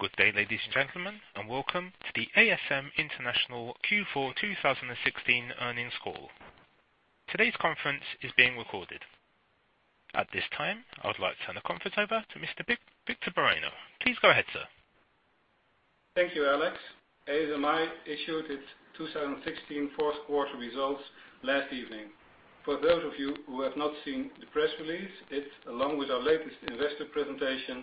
Good day, ladies and gentlemen, and welcome to the ASM International Q4 2016 earnings call. Today's conference is being recorded. At this time, I would like to turn the conference over to Mr. Victor Bareño. Please go ahead, sir. Thank you, Alex. ASMI issued its 2016 fourth quarter results last evening. For those of you who have not seen the press release, it, along with our latest investor presentation,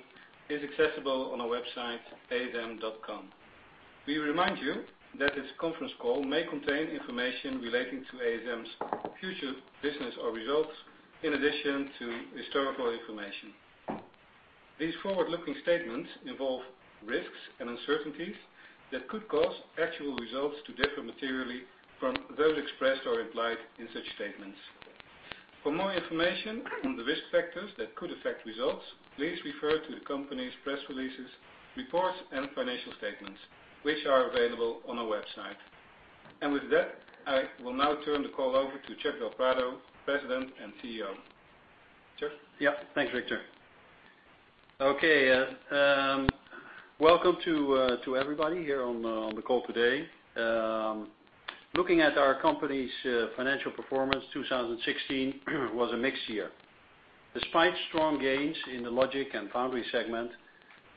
is accessible on our website, asm.com. We remind you that this conference call may contain information relating to ASM's future business or results, in addition to historical information. These forward-looking statements involve risks and uncertainties that could cause actual results to differ materially from those expressed or implied in such statements. For more information on the risk factors that could affect results, please refer to the company's press releases, reports and financial statements, which are available on our website. With that, I will now turn the call over to Chuck del Prado, President and CEO. Chuck? Yeah. Thanks, Victor. Okay. Welcome to everybody here on the call today. Looking at our company's financial performance, 2016 was a mixed year. Despite strong gains in the logic and foundry segment,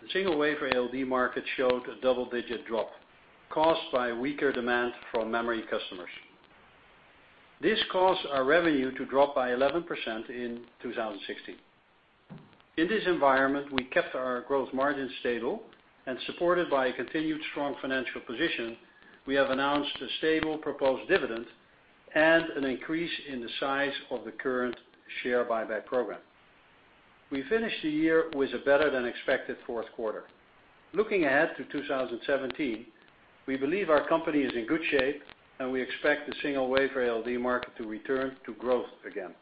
the single wafer ALD market showed a double-digit drop caused by weaker demand from memory customers. This caused our revenue to drop by 11% in 2016. In this environment, we kept our gross margins stable and supported by a continued strong financial position, we have announced a stable proposed dividend and an increase in the size of the current share buyback program. We finished the year with a better than expected fourth quarter. Looking ahead to 2017, we believe our company is in good shape, and we expect the single wafer ALD market to return to growth again.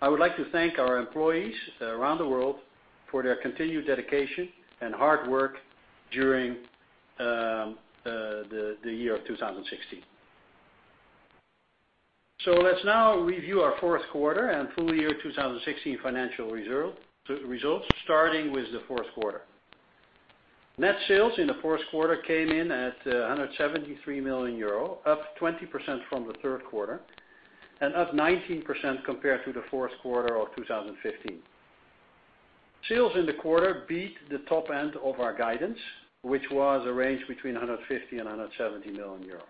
I would like to thank our employees around the world for their continued dedication and hard work during the year of 2016. Let's now review our fourth quarter and full year 2016 financial results starting with the fourth quarter. Net sales in the fourth quarter came in at 173 million euro, up 20% from the third quarter, and up 19% compared to the fourth quarter of 2015. Sales in the quarter beat the top end of our guidance, which was a range between 150 million and 170 million euros.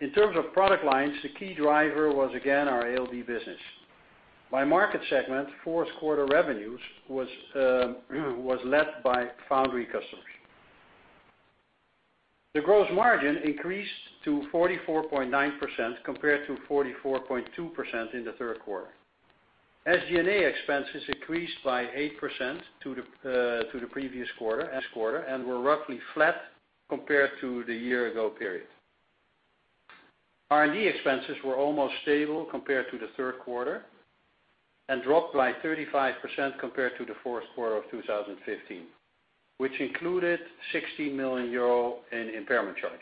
In terms of product lines, the key driver was again our ALD business. By market segment, fourth quarter revenues was led by foundry customers. The gross margin increased to 44.9% compared to 44.2% in the third quarter. SG&A expenses increased by 8% to the previous quarter and were roughly flat compared to the year ago period. R&D expenses were almost stable compared to the third quarter and dropped by 35% compared to the fourth quarter of 2015, which included 16 million euro in impairment charges.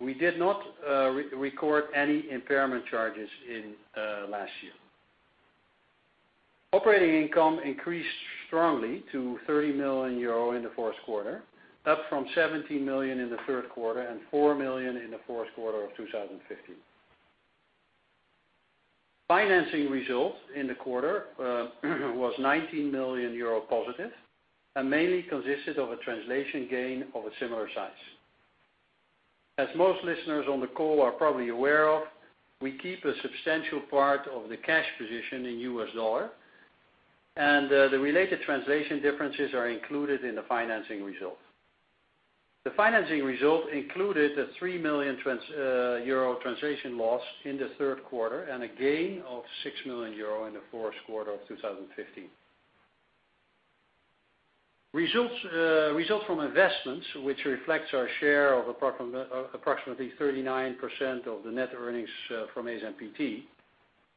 We did not record any impairment charges in last year. Operating income increased strongly to 30 million euro in the fourth quarter, up from 17 million in the third quarter and 4 million in the fourth quarter of 2015. Financing results in the quarter was 19 million euro positive and mainly consisted of a translation gain of a similar size. As most listeners on the call are probably aware of, we keep a substantial part of the cash position in U.S. dollar, and the related translation differences are included in the financing result. The financing result included a 3 million euro translation loss in the third quarter and a gain of 6 million euro in the fourth quarter of 2015. Results from investments, which reflects our share of approximately 39% of the net earnings from ASMPT,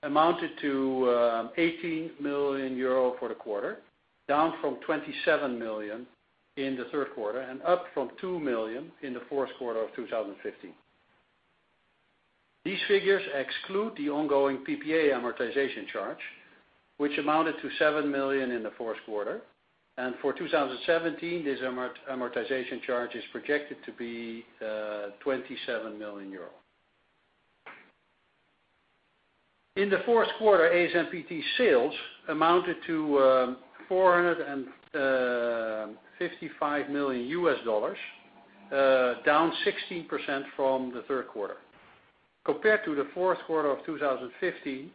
amounted to 18 million euro for the quarter, down from 27 million in the third quarter and up from 2 million in the fourth quarter of 2015. These figures exclude the ongoing PPA amortization charge, which amounted to 7 million in the fourth quarter. For 2017, this amortization charge is projected to be 27 million euros. In the fourth quarter, ASMPT sales amounted to $455 million, down 16% from the third quarter. Compared to the fourth quarter of 2015,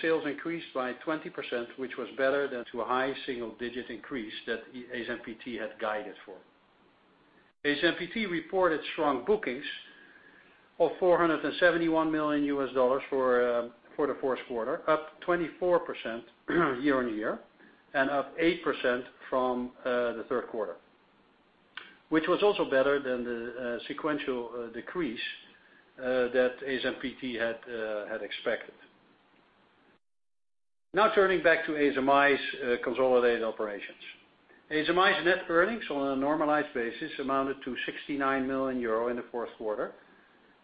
sales increased by 20%, which was better than to a high single-digit increase that ASMPT had guided for. ASMPT reported strong bookings of $471 million for the fourth quarter, up 24% year-on-year, and up 8% from the third quarter, which was also better than the sequential decrease that ASMPT had expected. Turning back to ASMI's consolidated operations. ASMI's net earnings on a normalized basis amounted to 69 million euro in the fourth quarter-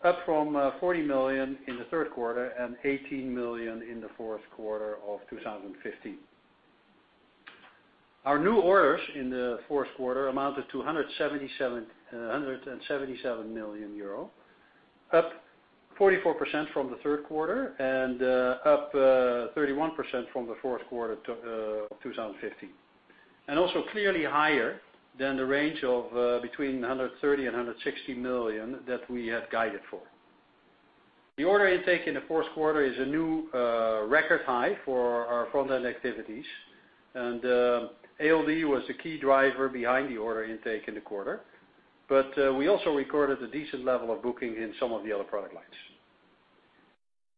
Up from 40 million in the third quarter and 18 million in the fourth quarter of 2015. Our new orders in the fourth quarter amounted to 177 million euro, up 44% from the third quarter and up 31% from the fourth quarter of 2015, and also clearly higher than the range of between 130 million and 160 million that we had guided for. The order intake in the fourth quarter is a new record high for our front-end activities, and ALD was the key driver behind the order intake in the quarter. We also recorded a decent level of booking in some of the other product lines.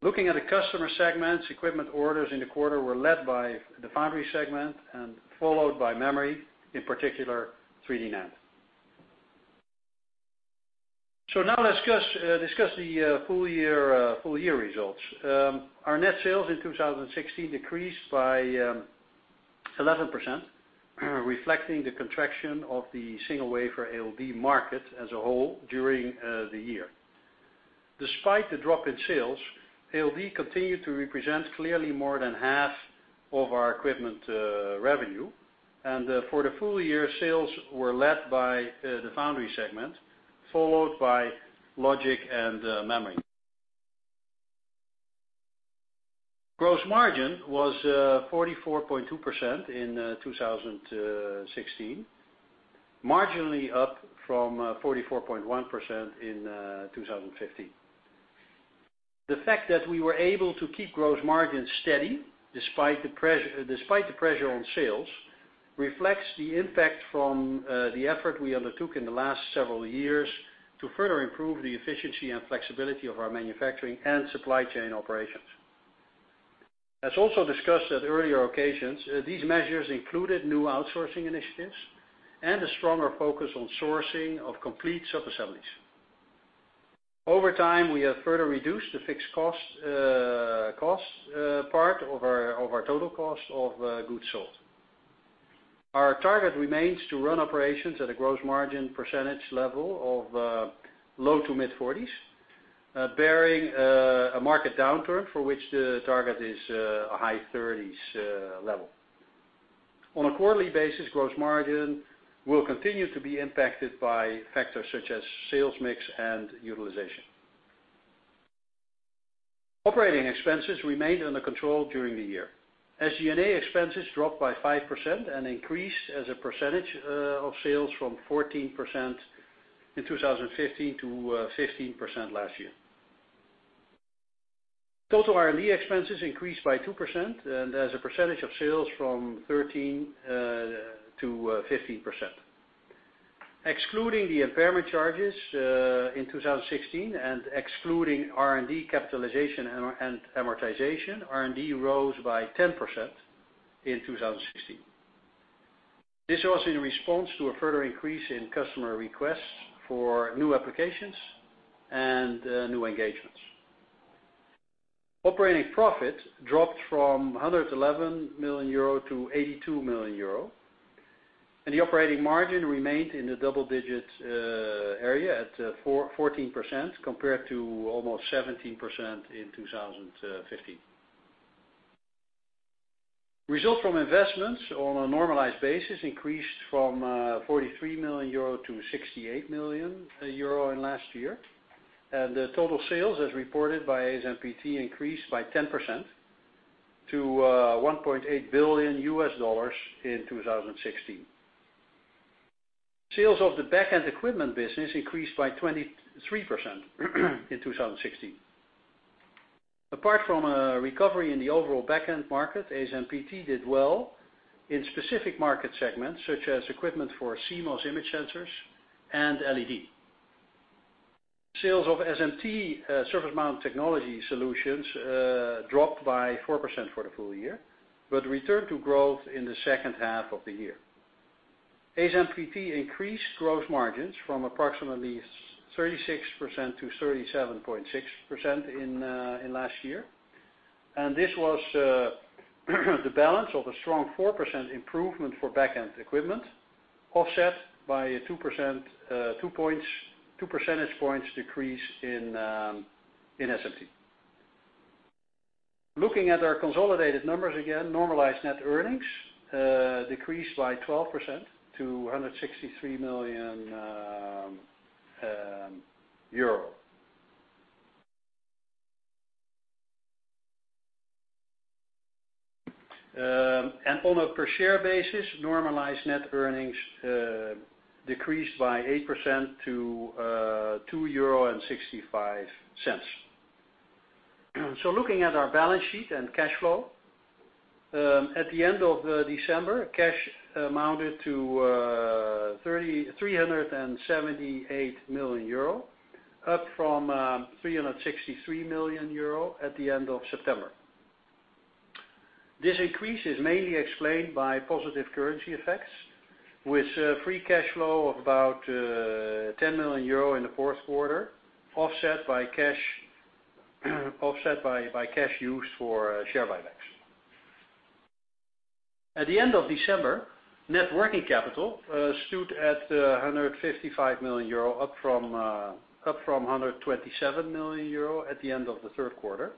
Looking at the customer segments, equipment orders in the quarter were led by the foundry segment and followed by memory, in particular 3D NAND. Let's discuss the full-year results. Our net sales in 2016 decreased by 11%, reflecting the contraction of the single wafer ALD market as a whole during the year. Despite the drop in sales, ALD continued to represent clearly more than half of our equipment revenue. For the full year, sales were led by the foundry segment, followed by logic and memory. Gross margin was 44.2% in 2016, marginally up from 44.1% in 2015. The fact that we were able to keep gross margins steady despite the pressure on sales, reflects the impact from the effort we undertook in the last several years to further improve the efficiency and flexibility of our manufacturing and supply chain operations. As also discussed at earlier occasions, these measures included new outsourcing initiatives and a stronger focus on sourcing of complete sub-assemblies. Over time, we have further reduced the fixed cost part of our total cost of goods sold. Our target remains to run operations at a gross margin percentage level of low to mid-40s, bearing a market downturn for which the target is a high 30s level. On a quarterly basis, gross margin will continue to be impacted by factors such as sales mix and utilization. Operating expenses remained under control during the year. SG&A expenses dropped by 5% and increased as a percentage of sales from 14% in 2015 to 15% last year. Total R&D expenses increased by 2% and as a percentage of sales from 13%-15%. Excluding the impairment charges in 2016 and excluding R&D capitalization and amortization, R&D rose by 10% in 2016. This was in response to a further increase in customer requests for new applications and new engagements. Operating profit dropped from 111 million euro to 82 million euro. The operating margin remained in the double-digit area at 14%, compared to almost 17% in 2015. Results from investments on a normalized basis increased from 43 million euro to 68 million euro last year. The total sales, as reported by ASMPT, increased by 10% to $1.8 billion in 2016. Sales of the back-end equipment business increased by 23% in 2016. Apart from a recovery in the overall back-end market, ASMPT did well in specific market segments, such as equipment for CMOS image sensors and LED. Sales of SMT, surface mount technology solutions, dropped by 4% for the full year, returned to growth in the second half of the year. ASMPT increased gross margins from approximately 36%-37.6% last year. This was the balance of a strong 4% improvement for back-end equipment, offset by a two percentage points decrease in SMT. Looking at our consolidated numbers again, normalized net earnings decreased by 12% to 163 million euro. On a per share basis, normalized net earnings decreased by 8% to €2.65. Looking at our balance sheet and cash flow. At the end of December, cash amounted to €378 million, up from €363 million at the end of September. This increase is mainly explained by positive currency effects, with free cash flow of about €10 million in the fourth quarter, offset by cash used for share buybacks. At the end of December, net working capital stood at €155 million, up from €127 million at the end of the third quarter,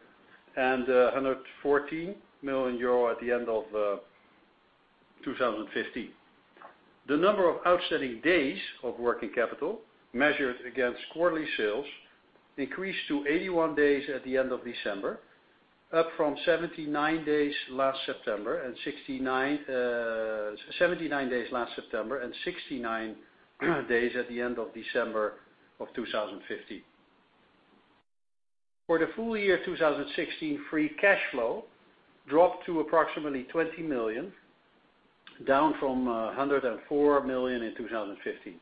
and €114 million at the end of 2015. The number of outstanding days of working capital measured against quarterly sales increased to 81 days at the end of December, up from 79 days last September, and 69 days at the end of December of 2015. For the full year 2016, free cash flow dropped to approximately 20 million, down from 104 million in 2015.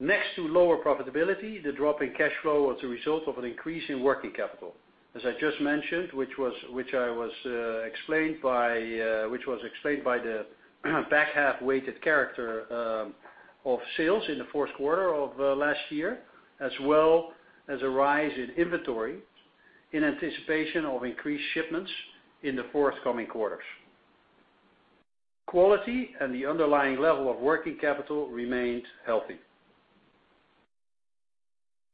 Next to lower profitability, the drop in cash flow was a result of an increase in working capital, as I just mentioned, which was explained by the back-half-weighted character of sales in the fourth quarter of last year, as well as a rise in inventory in anticipation of increased shipments in the forthcoming quarters. Quality and the underlying level of working capital remained healthy.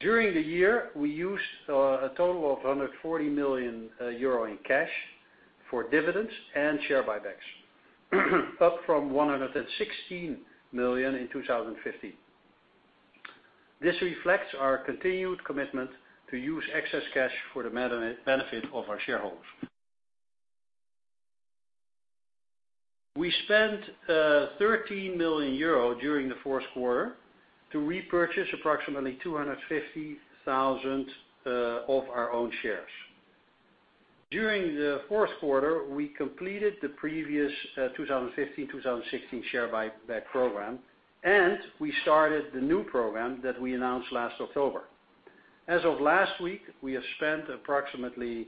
During the year, we used a total of 140 million euro in cash for dividends and share buybacks, up from 116 million in 2015. This reflects our continued commitment to use excess cash for the benefit of our shareholders. We spent 13 million euro during the fourth quarter to repurchase approximately 250,000 of our own shares. During the fourth quarter, we completed the previous 2015-2016 share buyback program, and we started the new program that we announced last October. As of last week, we have spent approximately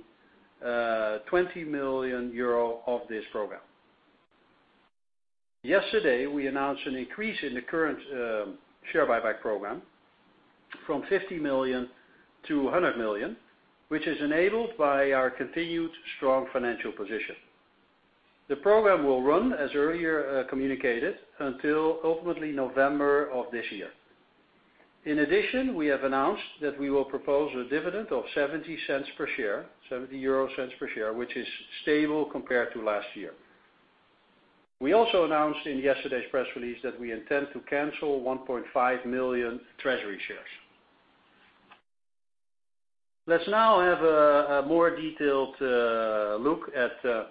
20 million euro of this program. Yesterday, we announced an increase in the current share buyback program from 50 million to 100 million, which is enabled by our continued strong financial position. The program will run, as earlier communicated, until ultimately November of this year. In addition, we have announced that we will propose a dividend of 0.70 per share, which is stable compared to last year. We also announced in yesterday's press release that we intend to cancel 1.5 million treasury shares. Let's now have a more detailed look at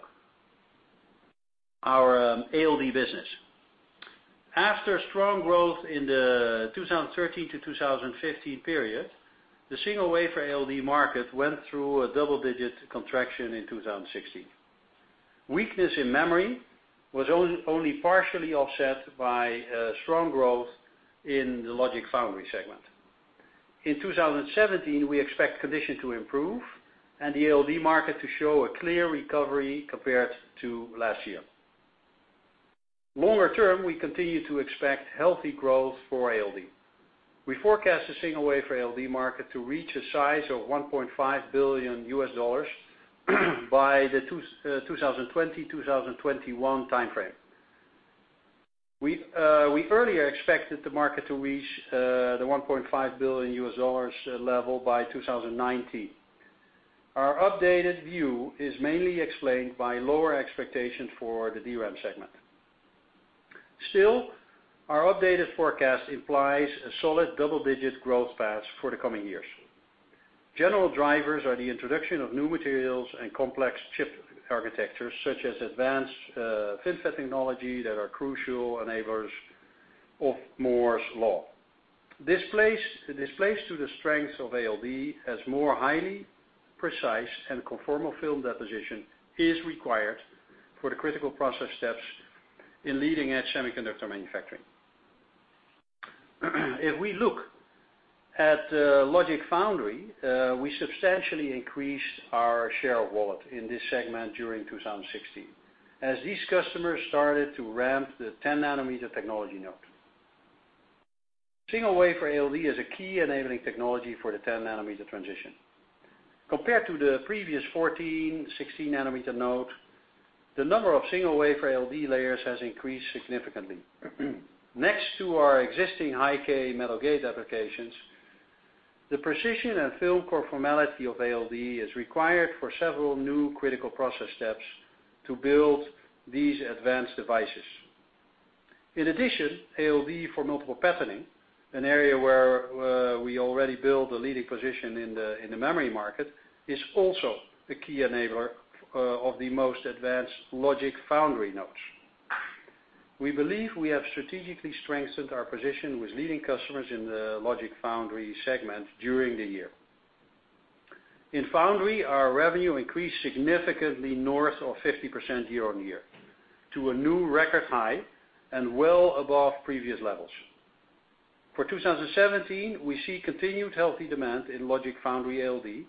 our ALD business. After strong growth in the 2013 to 2015 period, the single wafer ALD market went through a double-digit contraction in 2016. Weakness in memory was only partially offset by strong growth in the logic foundry segment. In 2017, we expect conditions to improve and the ALD market to show a clear recovery compared to last year. Longer term, we continue to expect healthy growth for ALD. We forecast the single wafer ALD market to reach a size of EUR 1.5 billion by the 2020-2021 timeframe. We earlier expected the market to reach the EUR 1.5 billion level by 2019. Our updated view is mainly explained by lower expectations for the DRAM segment. Our updated forecast implies a solid double-digit growth path for the coming years. General drivers are the introduction of new materials and complex chip architectures, such as advanced FinFET technology that are crucial enablers of Moore's law. This plays to the strength of ALD, as more highly precise and conformal film deposition is required for the critical process steps in leading-edge semiconductor manufacturing. If we look at logic foundry, we substantially increased our share of wallet in this segment during 2016, as these customers started to ramp the 10-nanometer technology node. Single wafer ALD is a key enabling technology for the 10-nanometer transition. Compared to the previous 14, 16-nanometer nodes, the number of single wafer ALD layers has increased significantly. Next to our existing high-k metal gate applications, the precision and film conformality of ALD is required for several new critical process steps to build these advanced devices. In addition, ALD for multiple patterning, an area where we already built a leading position in the memory market, is also the key enabler of the most advanced logic foundry nodes. We believe we have strategically strengthened our position with leading customers in the logic foundry segment during the year. In foundry, our revenue increased significantly north of 50% year-on-year, to a new record high and well above previous levels. For 2017, we see continued healthy demand in logic foundry ALD,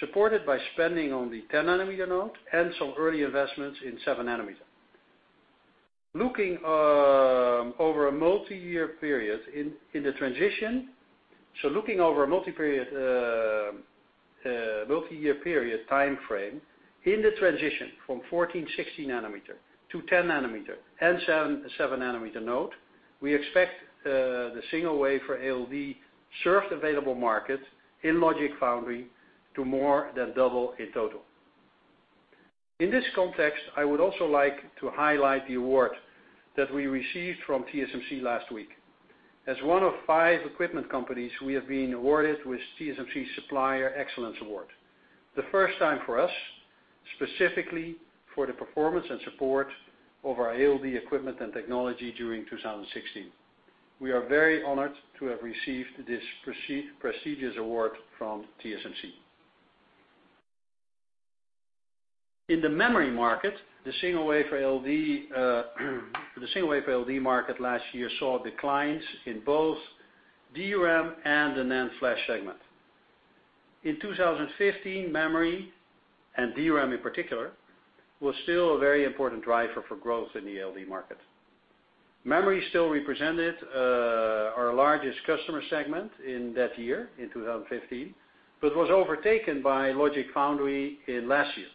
supported by spending on the 10-nanometer node and some early investments in 7 nanometer. Looking over a multi-year period time frame, in the transition from 14/6 nanometer to 10 nanometer and 7 nanometer node, we expect the single wafer ALD served available market in logic foundry to more than double in total. In this context, I would also like to highlight the award that we received from TSMC last week. As one of five equipment companies, we have been awarded with TSMC Excellent Performance Award. The first time for us, specifically for the performance and support of our ALD equipment and technology during 2016. We are very honored to have received this prestigious award from TSMC. In the memory market, the single wafer ALD market last year saw declines in both DRAM and the NAND flash segment. In 2015, memory, and DRAM in particular, was still a very important driver for growth in the ALD market. Memory still represented our largest customer segment in that year, in 2015, but was overtaken by Logic Foundry last year.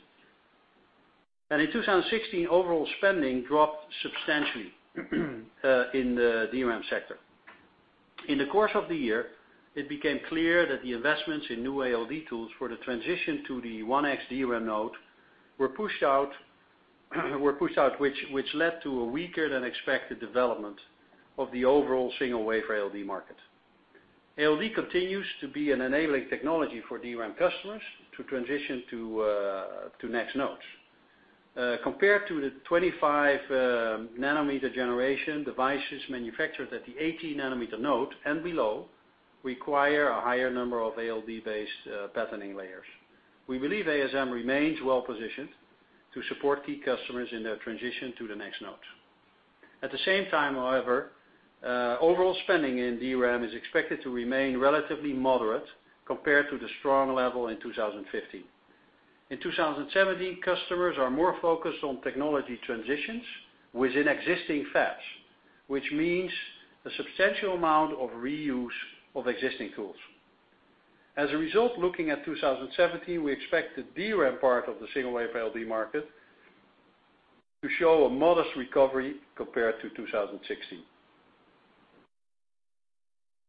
In 2016, overall spending dropped substantially in the DRAM sector. In the course of the year, it became clear that the investments in new ALD tools for the transition to the 1X DRAM node were pushed out which led to a weaker than expected development of the overall single wafer ALD market. ALD continues to be an enabling technology for DRAM customers to transition to next nodes. Compared to the 25-nanometer generation devices manufactured at the 18 nanometer node and below require a higher number of ALD-based patterning layers. We believe ASM remains well-positioned to support key customers in their transition to the next node. At the same time, however, overall spending in DRAM is expected to remain relatively moderate compared to the strong level in 2015. In 2017, customers are more focused on technology transitions within existing fabs, which means a substantial amount of reuse of existing tools. As a result, looking at 2017, we expect the DRAM part of the single wafer ALD market to show a modest recovery compared to 2016.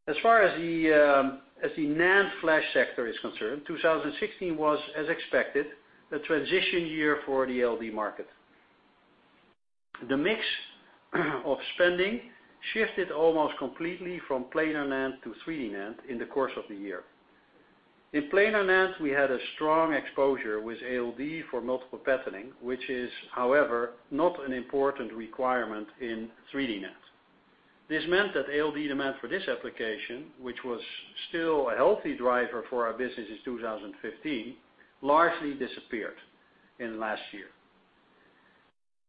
As far as the NAND flash sector is concerned, 2016 was as expected, the transition year for the ALD market. The mix of spending shifted almost completely from planar NAND to 3D NAND in the course of the year. In planar NAND, we had a strong exposure with ALD for multiple patterning, which is, however, not an important requirement in 3D NAND. This meant that ALD demand for this application, which was still a healthy driver for our business in 2015, largely disappeared in last year.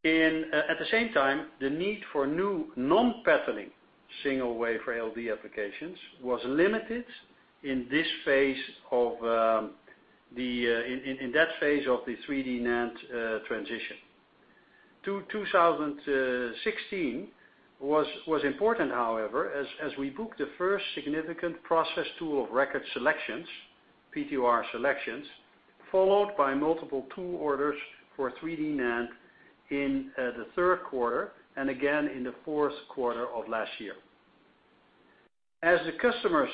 At the same time, the need for new non-patterning single wafer ALD applications was limited in that phase of the 3D NAND transition. 2016 was important, however, as we booked the first significant process tool of record selections, POR selections, followed by multiple tool orders for 3D NAND in the third quarter, and again in the fourth quarter of last year. As the customers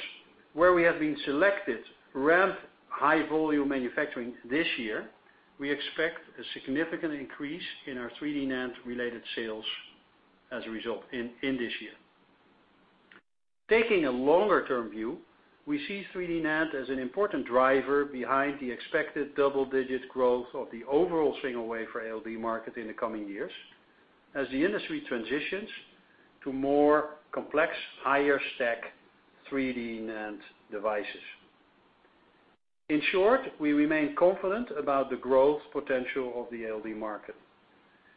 where we have been selected ramp high volume manufacturing this year, we expect a significant increase in our 3D NAND related sales as a result in this year. Taking a longer-term view, we see 3D NAND as an important driver behind the expected double-digit growth of the overall single wafer ALD market in the coming years, as the industry transitions to more complex, higher stack 3D NAND devices. In short, we remain confident about the growth potential of the ALD market.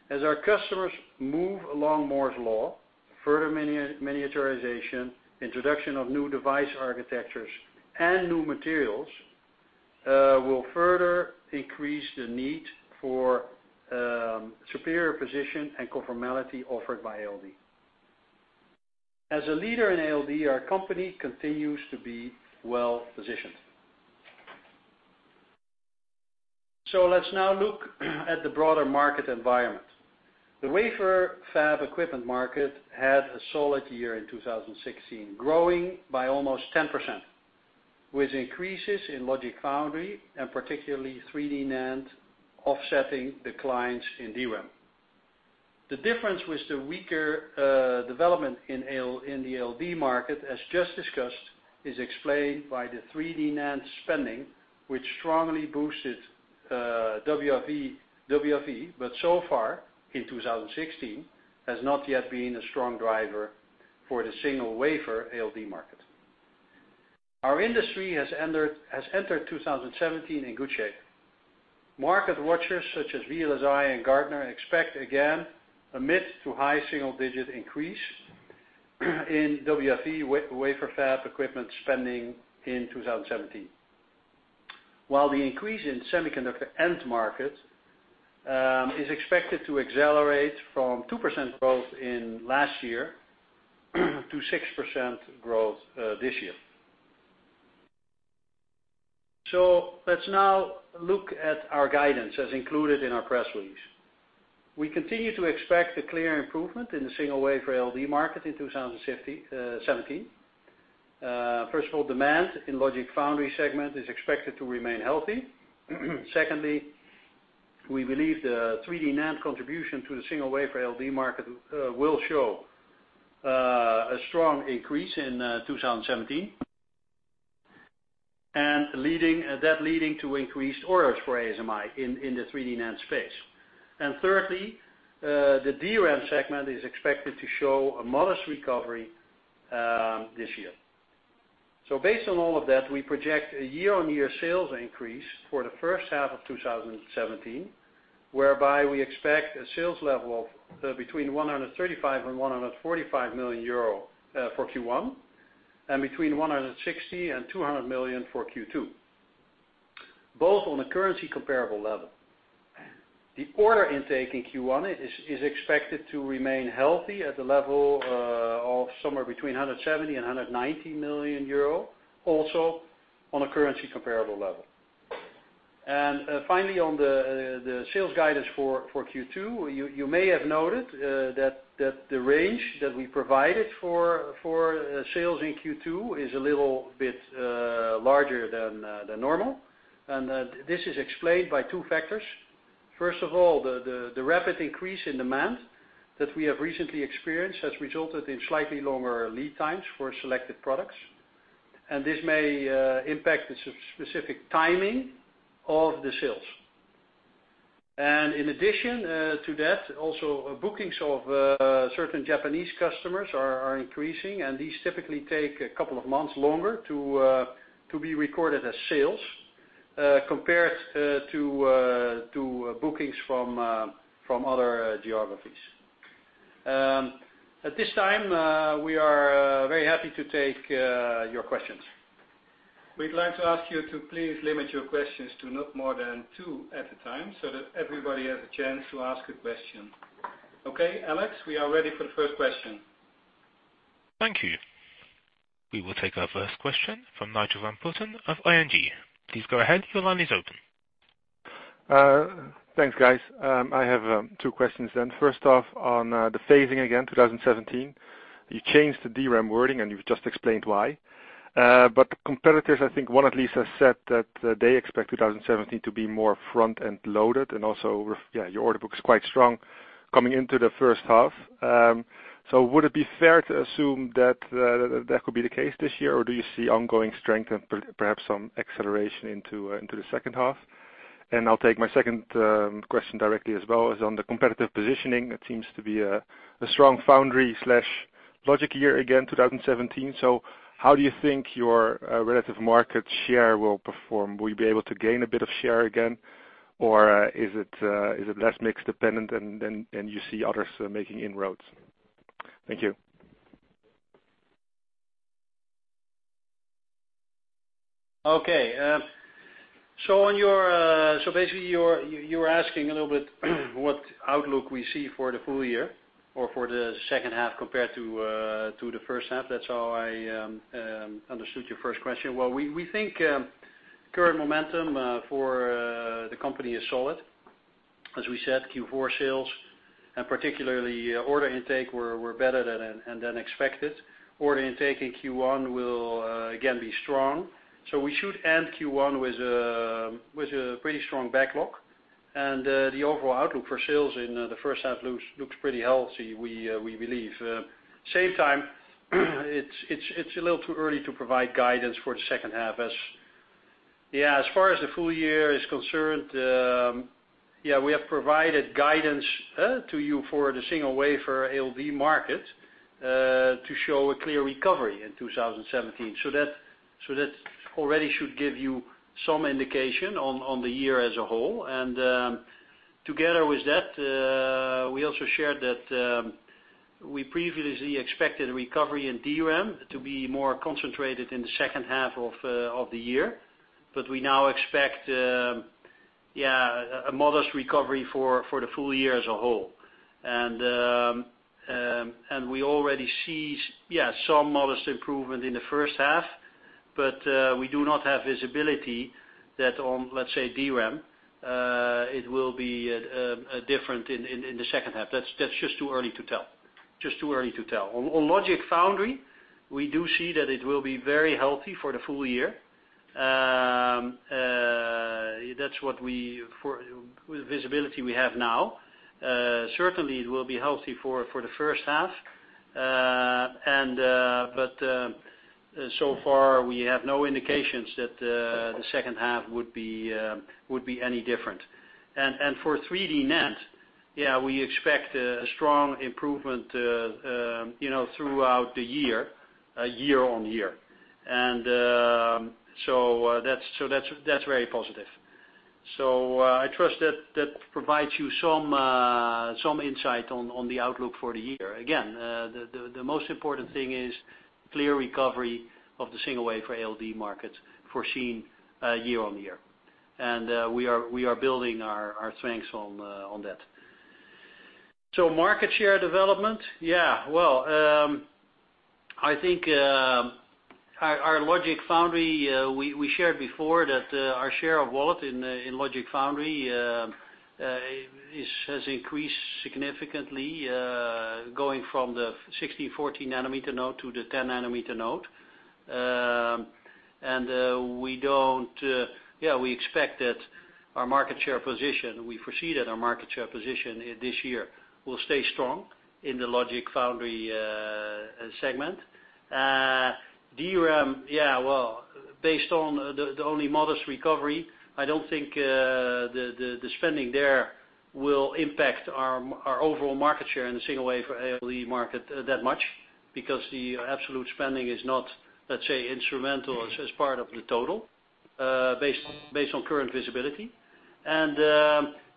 As our customers move along Moore's law, further miniaturization, introduction of new device architectures, and new materials, will further increase the need for superior position and conformality offered by ALD. As a leader in ALD, our company continues to be well-positioned. Let's now look at the broader market environment. The wafer fab equipment market had a solid year in 2016, growing by almost 10%, with increases in logic foundry and particularly 3D NAND offsetting declines in DRAM. The difference with the weaker development in the ALD market, as just discussed, is explained by the 3D NAND spending, which strongly boosted WFE, but so far in 2016, has not yet been a strong driver for the single wafer ALD market. Our industry has entered 2017 in good shape. Market watchers such as VLSI and Gartner expect again a mid to high single-digit increase in WFE, wafer fab equipment spending in 2017. The increase in semiconductor end market is expected to accelerate from 2% growth in last year to 6% growth this year. Let's now look at our guidance as included in our press release. We continue to expect a clear improvement in the single wafer ALD market in 2017. First of all, demand in logic foundry segment is expected to remain healthy. Secondly, we believe the 3D NAND contribution to the single wafer ALD market will show a strong increase in 2017, leading to increased orders for ASMI in the 3D NAND space. Thirdly, the DRAM segment is expected to show a modest recovery this year. Based on all of that, we project a year-on-year sales increase for the first half of 2017, whereby we expect a sales level between 135 million and 145 million euro for Q1, and between 160 million and 200 million for Q2, both on a currency comparable level. The order intake in Q1 is expected to remain healthy at the level of somewhere between 170 million and 190 million euro, also on a currency comparable level. Finally, on the sales guidance for Q2, you may have noted that the range that we provided for sales in Q2 is a little bit larger than normal. This is explained by two factors. First of all, the rapid increase in demand that we have recently experienced has resulted in slightly longer lead times for selected products. This may impact the specific timing of the sales. In addition to that, also bookings of certain Japanese customers are increasing, and these typically take a couple of months longer to be recorded as sales compared to bookings from other geographies. At this time, we are very happy to take your questions. We'd like to ask you to please limit your questions to not more than two at a time so that everybody has a chance to ask a question. Okay, Alex, we are ready for the first question. Thank you. We will take our first question from Nigel van Putten of ING. Please go ahead. Your line is open. Thanks, guys. I have two questions. First off, on the phasing again, 2017. You changed the DRAM wording, and you've just explained why. Competitors, I think one at least has said that they expect 2017 to be more front-end loaded, and also your order book's quite strong coming into the first half. Would it be fair to assume that could be the case this year, or do you see ongoing strength and perhaps some acceleration into the second half? I'll take my second question directly as well, is on the competitive positioning. It seems to be a strong foundry/logic year again, 2017. How do you think your relative market share will perform? Will you be able to gain a bit of share again, or is it less mix dependent and you see others making inroads? Thank you. Okay. Basically, you're asking a little bit what outlook we see for the full year or for the second half compared to the first half. That's how I understood your first question. Well, we think current momentum for the company is solid. As we said, Q4 sales, and particularly order intake, were better than expected. Order intake in Q1 will again be strong. We should end Q1 with a pretty strong backlog. The overall outlook for sales in the first half looks pretty healthy, we believe. Same time, it's a little too early to provide guidance for the second half. As far as the full year is concerned, we have provided guidance to you for the single wafer ALD market to show a clear recovery in 2017. That already should give you some indication on the year as a whole. Together with that, we also shared that we previously expected recovery in DRAM to be more concentrated in the second half of the year. We now expect a modest recovery for the full year as a whole. We already see some modest improvement in the first half, but we do not have visibility that on, let’s say, DRAM, it will be different in the second half. That’s just too early to tell. On logic foundry, we do see that it will be very healthy for the full year. With the visibility we have now, certainly it will be healthy for the first half. So far, we have no indications that the second half would be any different. For 3D NAND, we expect a strong improvement throughout the year-on-year. That’s very positive. I trust that provides you some insight on the outlook for the year. Again, the most important thing is clear recovery of the single wafer ALD market foreseen year-on-year. We are building our strengths on that. Market share development. I think our logic foundry, we shared before that our share of wallet in logic foundry has increased significantly, going from the 60, 40 nanometer node to the 10 nanometer node. We expect that our market share position, we foresee that our market share position this year will stay strong in the logic foundry segment. DRAM, well, based on the only modest recovery, I don’t think the spending there will impact our overall market share in the single wafer ALD market that much, because the absolute spending is not, let’s say, instrumental as part of the total, based on current visibility.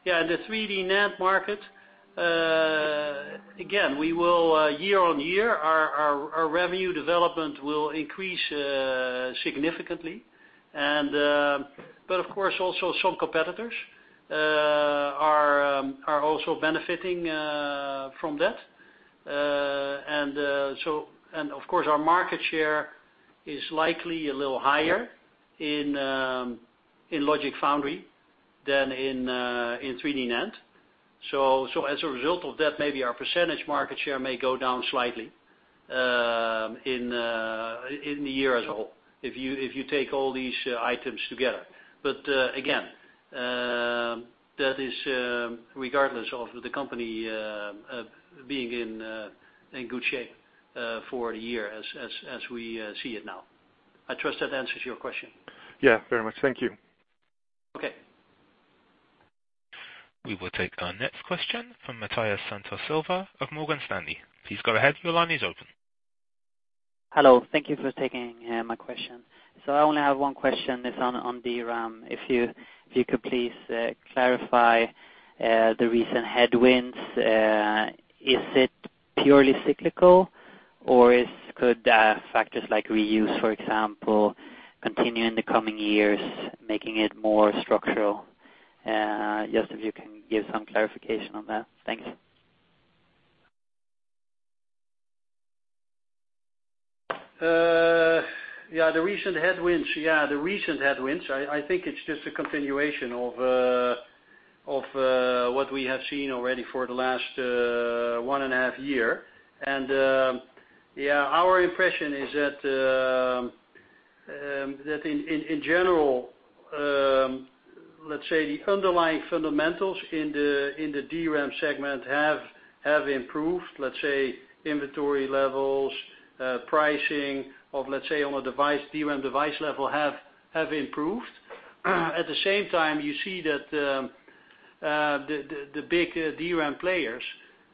The 3D NAND market, again, year-on-year, our revenue development will increase significantly. Of course, also some competitors are also benefiting from that. Of course, our market share is likely a little higher in logic foundry than in 3D NAND. As a result of that, maybe our percentage market share may go down slightly in the year as a whole, if you take all these items together. Again, that is regardless of the company being in good shape for the year as we see it now. I trust that answers your question. Yeah, very much. Thank you. Okay. We will take our next question from Matias Santos Silva of Morgan Stanley. Please go ahead. Your line is open. Hello. Thank you for taking my question. I only have one question. It is on DRAM. If you could please clarify the recent headwinds. Is it purely cyclical, or could factors like reuse, for example, continue in the coming years, making it more structural? Just if you can give some clarification on that. Thanks. The recent headwinds, I think it is just a continuation of what we have seen already for the last one and a half year. Our impression is that in general, let's say the underlying fundamentals in the DRAM segment have improved, let's say inventory levels, pricing of let's say on a DRAM device level have improved. At the same time, you see that the big DRAM players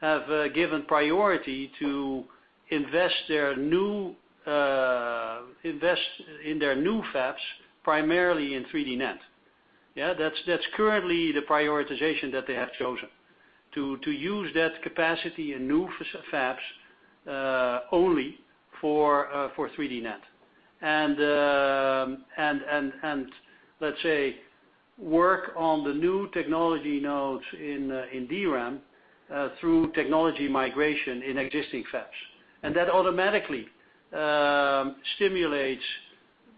have given priority to invest in their new fabs primarily in 3D NAND. That is currently the prioritization that they have chosen. To use that capacity in new fabs, only for 3D NAND. Let's say work on the new technology nodes in DRAM, through technology migration in existing fabs. That automatically stimulates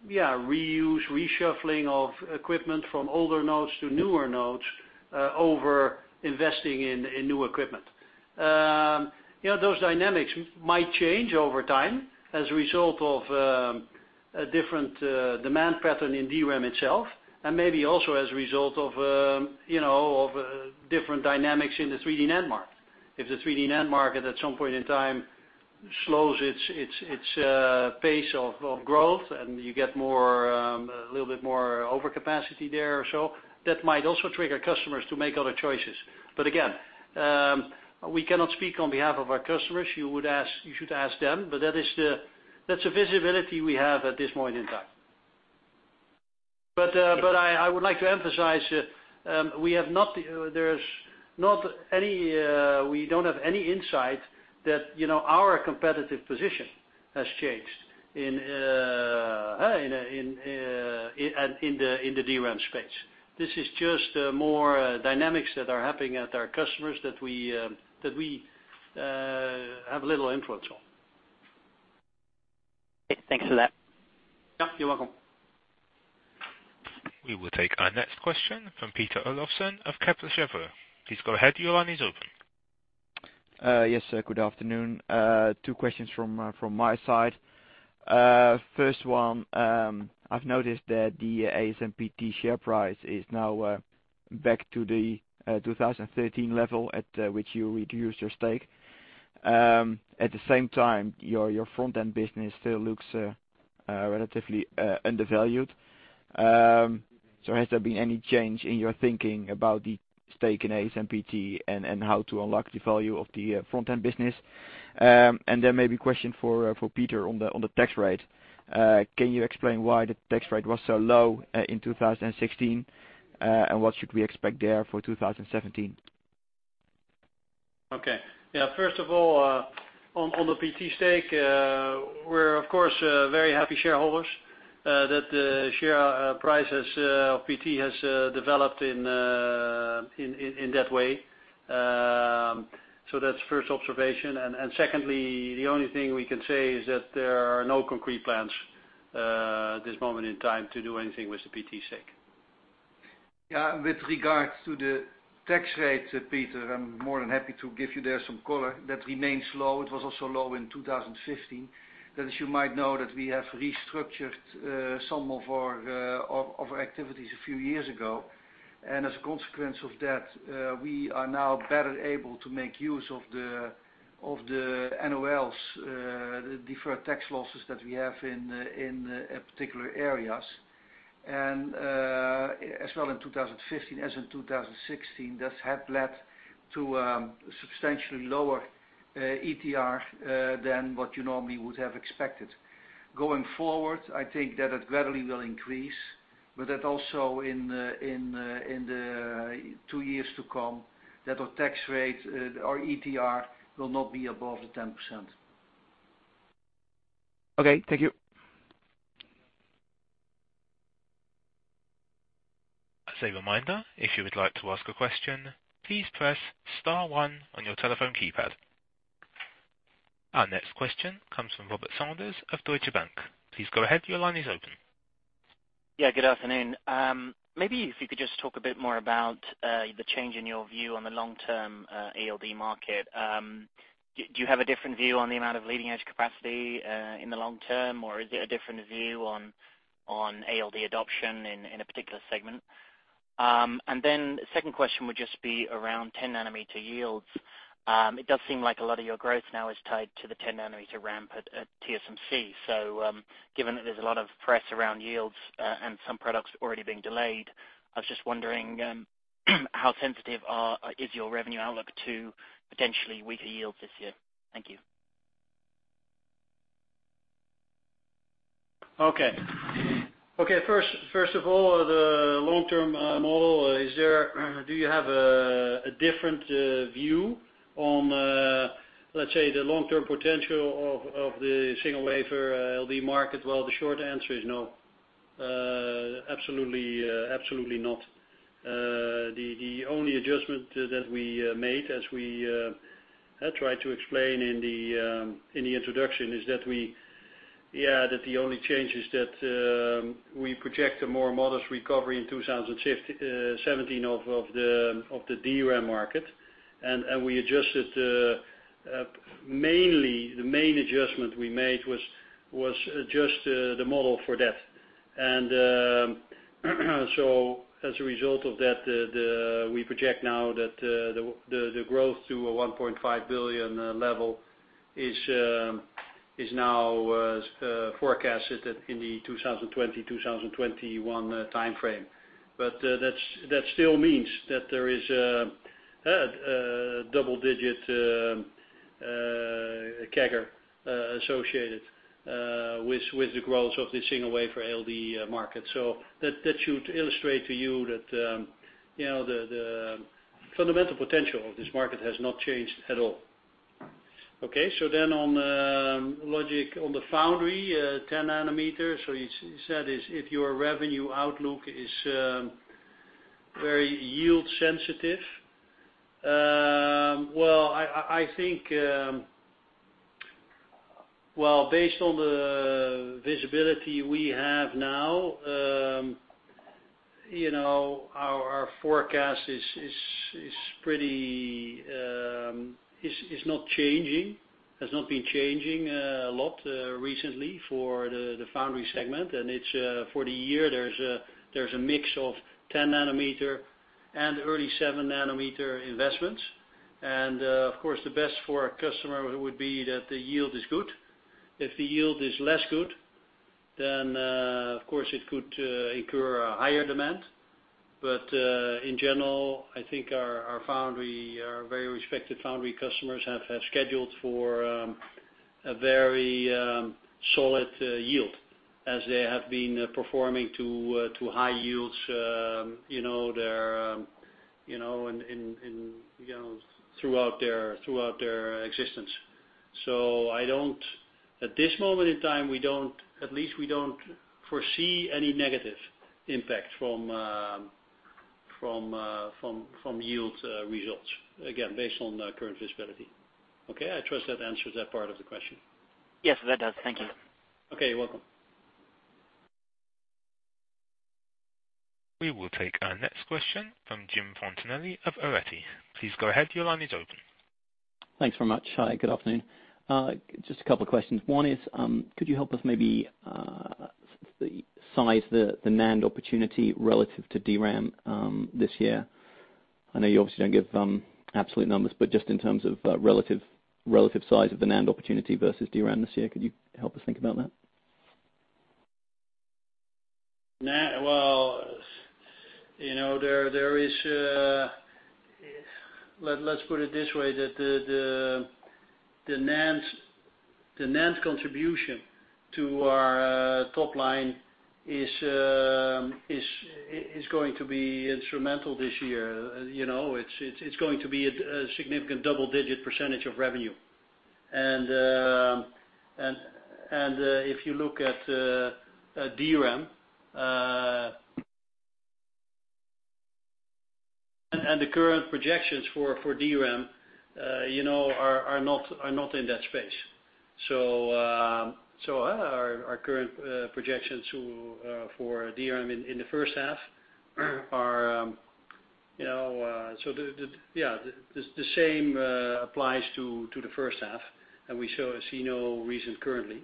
reuse, reshuffling of equipment from older nodes to newer nodes, over investing in new equipment. Those dynamics might change over time as a result of a different demand pattern in DRAM itself, and maybe also as a result of different dynamics in the 3D NAND market. If the 3D NAND market, at some point in time, slows its pace of growth and you get a little bit more overcapacity there or so, that might also trigger customers to make other choices. Again, we cannot speak on behalf of our customers. You should ask them, but that is the visibility we have at this point in time. I would like to emphasize, we do not have any insight that our competitive position has changed in the DRAM space. This is just more dynamics that are happening at our customers that we have little influence on. Okay, thanks for that. Yeah, you're welcome. We will take our next question from Peter Olofsen of Kepler Cheuvreux. Please go ahead, your line is open. Yes, good afternoon. Two questions from my side. First one, I've noticed that the ASMPT share price is now back to the 2013 level at which you reduced your stake. At the same time, your front-end business still looks relatively undervalued. Has there been any change in your thinking about the stake in ASMPT and how to unlock the value of the front-end business? Maybe a question for Peter on the tax rate. Can you explain why the tax rate was so low in 2016, and what should we expect there for 2017? Okay. Yeah, first of all, on the ASMPT stake, we're of course, very happy shareholders that the share price of ASMPT has developed in that way. That's first observation. Secondly, the only thing we can say is that there are no concrete plans at this moment in time to do anything with the ASMPT stake. Yeah. With regards to the tax rate, Peter, I'm more than happy to give you there some color that remains low. It was also low in 2015. As you might know, we have restructured some of our activities a few years ago. As a consequence of that, we are now better able to make use of the NOLs, the deferred tax losses that we have in particular areas. As well in 2015 as in 2016, that had led to a substantially lower ETR than what you normally would have expected. Going forward, I think that gradually will increase, but that also in the two years to come, that our tax rate, our ETR, will not be above the 10%. Okay. Thank you. As a reminder, if you would like to ask a question, please press star one on your telephone keypad. Our next question comes from Robert Sanders of Deutsche Bank. Please go ahead. Your line is open. Good afternoon. Maybe if you could just talk a bit more about the change in your view on the long-term ALD market. Do you have a different view on the amount of leading-edge capacity in the long term, or is it a different view on ALD adoption in a particular segment? The second question would just be around 10-nanometer yields. It does seem like a lot of your growth now is tied to the 10-nanometer ramp at TSMC. Given that there's a lot of press around yields, and some products already being delayed, I was just wondering how sensitive is your revenue outlook to potentially weaker yields this year? Thank you. Okay. First of all, the long-term model, do you have a different view on let's say the long-term potential of the single wafer ALD market? The short answer is no. Absolutely not. The only adjustment that we made as we try to explain in the introduction is that the only change is that we project a more modest recovery in 2017 of the DRAM market. We adjusted, the main adjustment we made was just the model for that. As a result of that, we project now that the growth to a 1.5 billion level is now forecasted in the 2020-2021 timeframe. That still means that there is a double-digit CAGR associated with the growth of the single wafer ALD market. That should illustrate to you that the fundamental potential of this market has not changed at all. Okay? On the logic on the foundry, 10-nanometers, you said your revenue outlook is very yield sensitive. Based on the visibility we have now, our forecast is not changing, has not been changing a lot recently for the foundry segment. For the year, there's a mix of 10-nanometer and early 7-nanometer investments. Of course, the best for our customer would be that the yield is good. If the yield is less good, of course it could incur a higher demand. In general, I think our very respected foundry customers have scheduled for a very solid yield as they have been performing to high yields throughout their existence. At this moment in time, at least we don't foresee any negative impact from yield results. Again, based on current visibility. Okay? I trust that answers that part of the question. Yes, that does. Thank you. Okay, you're welcome. We will take our next question from Jim Fontanelli of Arete Research. Please go ahead. Your line is open. Thanks very much. Good afternoon. Just a couple of questions. One is, could you help us maybe, size the NAND opportunity relative to DRAM this year? I know you obviously don't give absolute numbers, but just in terms of relative size of the NAND opportunity versus DRAM this year. Could you help us think about that? Well, let's put it this way, that the NAND contribution to our top line is going to be instrumental this year. It's going to be a significant double-digit percentage of revenue. If you look at DRAM, and the current projections for DRAM are not in that space. Our current projections for DRAM in the first half are. The same applies to the first half, and we see no reason currently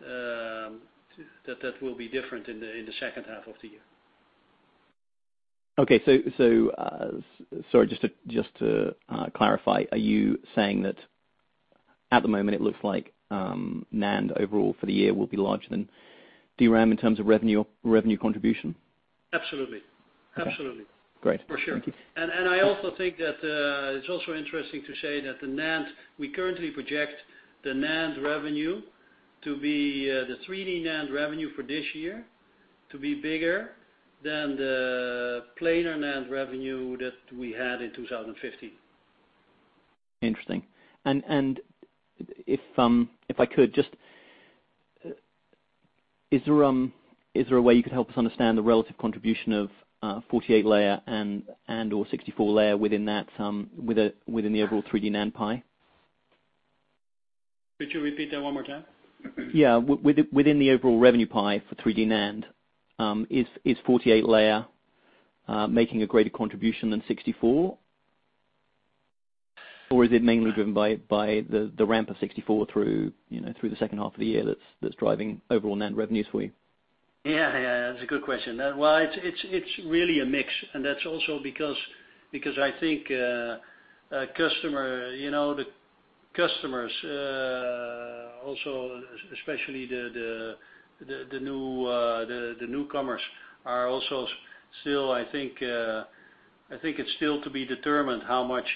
that will be different in the second half of the year. Okay. Sorry, just to clarify, are you saying that at the moment it looks like NAND overall for the year will be larger than DRAM in terms of revenue contribution? Absolutely. Okay. Absolutely. Great. For sure. Thank you. I also think that it's also interesting to say that the NAND, we currently project the 3D NAND revenue for this year to be bigger than the planar NAND revenue that we had in 2015. Interesting. If I could, is there a way you could help us understand the relative contribution of 48 layer and/or 64 layer within the overall 3D NAND pie? Could you repeat that one more time? Yeah. Within the overall revenue pie for 3D NAND, is 48 layer making a greater contribution than 64? Is it mainly driven by the ramp of 64 through the second half of the year that's driving overall NAND revenues for you? Yeah. That's a good question. Well, it's really a mix, and that's also because I think the customers, especially the newcomers, are also still, I think it's still to be determined how much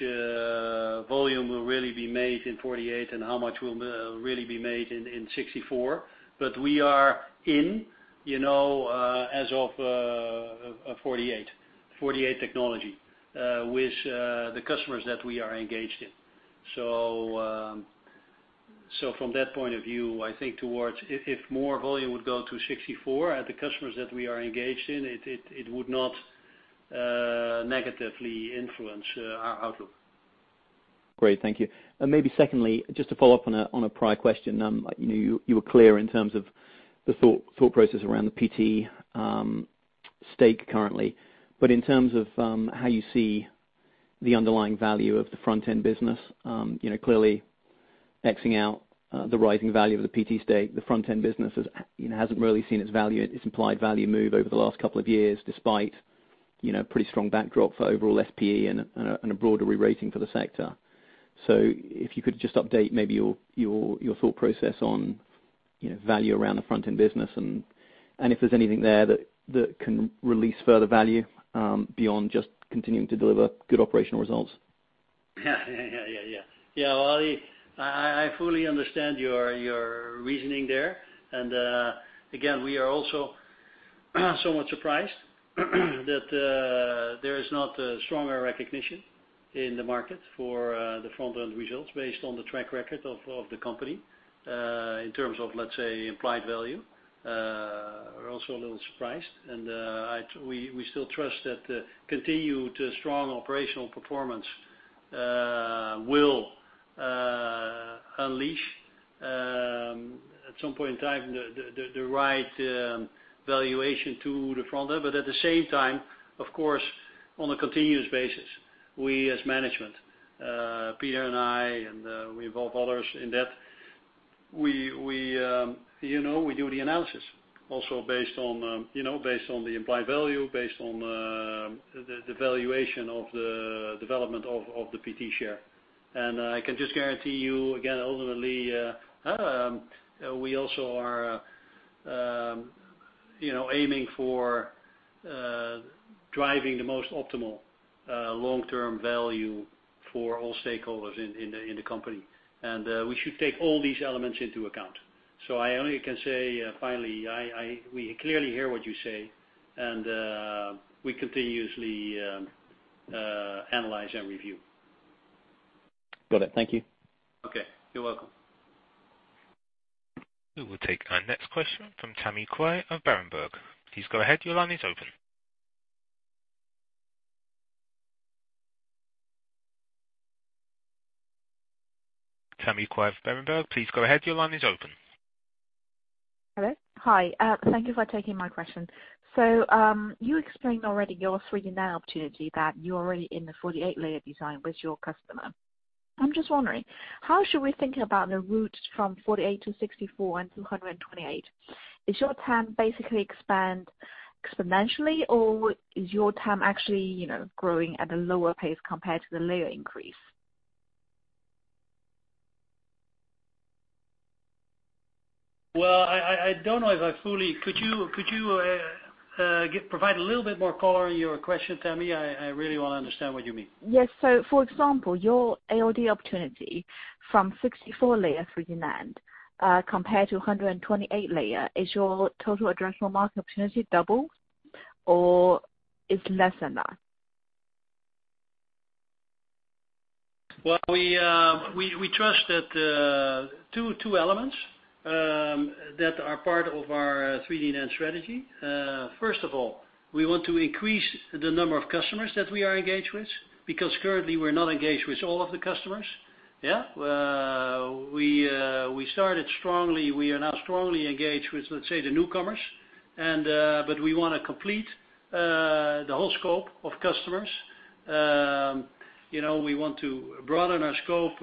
volume will really be made in 48 and how much will really be made in 64. We are in as of 48 technology, with the customers that we are engaged in. From that point of view, I think towards, if more volume would go to 64 at the customers that we are engaged in, it would not negatively influence our outlook. Great, thank you. Maybe secondly, just to follow up on a prior question. You were clear in terms of the thought process around the ASMPT stake currently. In terms of how you see the underlying value of the front-end business, clearly X-ing out the rising value of the ASMPT stake, the front-end business hasn't really seen its implied value move over the last couple of years, despite pretty strong backdrop for overall SPE and a broader rerating for the sector. If you could just update maybe your thought process on value around the front-end business and if there's anything there that can release further value, beyond just continuing to deliver good operational results. Yeah. Well, I fully understand your reasoning there. Again, we are also somewhat surprised that there is not a stronger recognition in the market for the front-end results based on the track record of the company, in terms of, let's say, implied value. We're also a little surprised, and we still trust that the continued strong operational performance will unleash, at some point in time, the right valuation to the front end. At the same time, of course, on a continuous basis, we as management, Peter and I, and we involve others in that. We do the analysis also based on the implied value, based on the valuation of the development of the ASMPT share. I can just guarantee you again, ultimately, we also are aiming for driving the most optimal long-term value for all stakeholders in the company. We should take all these elements into account. I only can say, finally, we clearly hear what you say, and we continuously analyze and review. Got it. Thank you. Okay. You're welcome. We will take our next question from Tammy Qiu of Berenberg. Please go ahead, your line is open. Tammy Qiu of Berenberg, please go ahead, your line is open. Hello. Hi. Thank you for taking my question. You explained already your 3D NAND opportunity that you're already in the 48 layer design with your customer. I'm just wondering, how should we think about the route from 48 to 64 and to 128? Is your TAM basically expand exponentially, or is your TAM actually growing at a lower pace compared to the layer increase? Well, could you provide a little bit more color on your question, Tammy? I really want to understand what you mean. Yes. For example, your ALD opportunity from 64 layer 3D NAND, compared to 128 layer. Is your total addressable market opportunity double or it's less than that? Well, we trust that two elements that are part of our 3D NAND strategy. First of all, we want to increase the number of customers that we are engaged with, because currently we're not engaged with all of the customers. We started strongly. We are now strongly engaged with, let's say, the newcomers. We want to complete the whole scope of customers. We want to broaden our scope,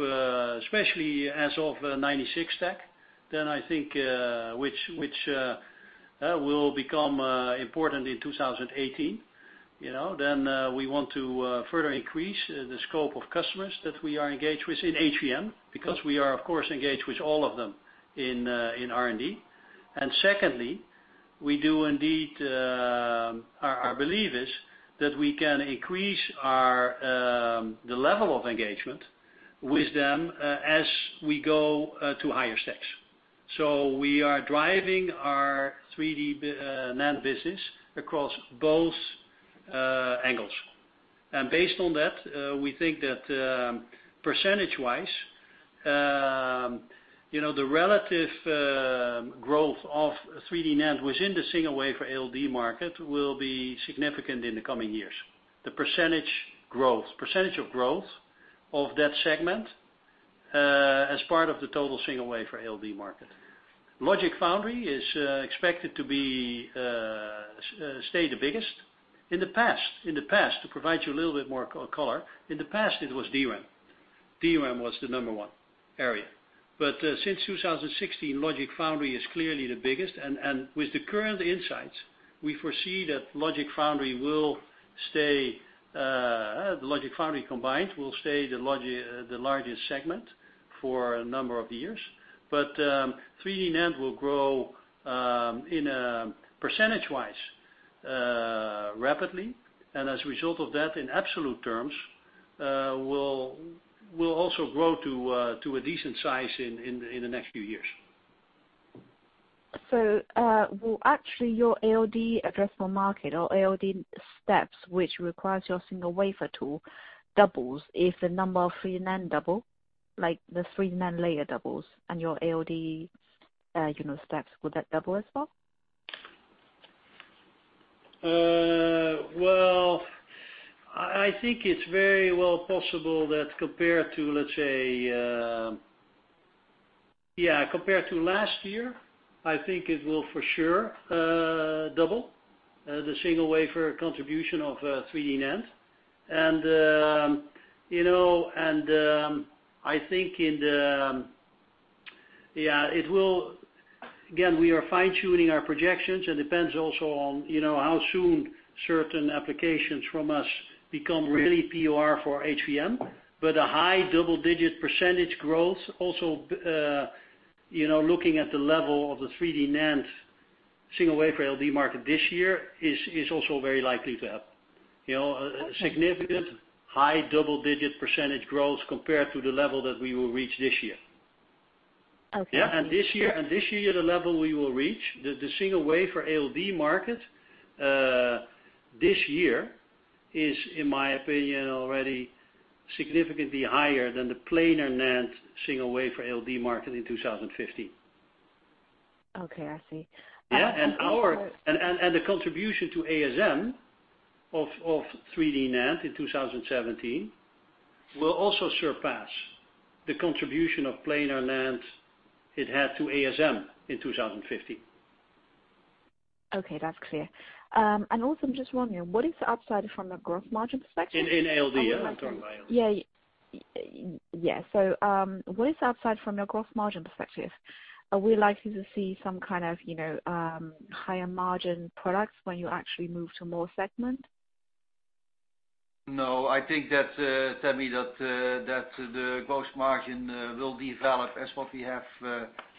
especially as of 96 stack, which will become important in 2018. We want to further increase the scope of customers that we are engaged with in HVM, because we are, of course, engaged with all of them in R&D. Secondly, our belief is that we can increase the level of engagement with them as we go to higher stacks. We are driving our 3D NAND business across both angles. Based on that, we think that percentage-wise, the relative growth of 3D NAND within the single wafer ALD market will be significant in the coming years. The percentage of growth of that segment, as part of the total single wafer ALD market. Logic foundry is expected to stay the biggest. To provide you a little bit more color, in the past, it was DRAM. DRAM was the number one area, since 2016, logic foundry is clearly the biggest, with the current insights, we foresee that logic foundry combined will stay the largest segment for a number of years. 3D NAND will grow percentage-wise rapidly, as a result of that, in absolute terms, will also grow to a decent size in the next few years. Will actually your ALD addressable market or ALD steps, which requires your single wafer tool, doubles if the number of 3D NAND double, like the 3D NAND layer doubles and your ALD steps, would that double as well? Well, I think it's very well possible that compared to last year, I think it will for sure double, the single wafer contribution of 3D NAND. Again, we are fine-tuning our projections. It depends also on how soon certain applications from us become really POR for HVM. A high double-digit % growth also, looking at the level of the 3D NAND single wafer ALD market this year, is also very likely to happen. A significant high double-digit % growth compared to the level that we will reach this year. Okay. This year, the level we will reach, the single wafer ALD market this year is, in my opinion, already significantly higher than the planar NAND single wafer ALD market in 2015. Okay, I see. Yeah. The contribution to ASM of 3D NAND in 2017 will also surpass the contribution of planar NAND it had to ASM in 2015. Okay, that's clear. Also, I'm just wondering, what is the upside from the gross margin perspective? In ALD? You're talking about ALD. Yeah. What is the upside from the gross margin perspective? Are we likely to see some kind of higher margin products when you actually move to more segment? No, I think that the gross margin will develop as what we have